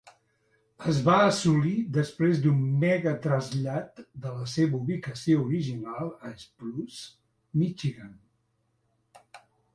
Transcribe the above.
Es va assolir després d'un "megatrasllat" de la seva ubicació original a Spruce, Michigan.